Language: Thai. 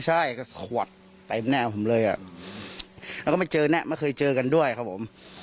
แล้วก็ไม่เจอแน่ไม่เคยเจอกันด้วยครับผม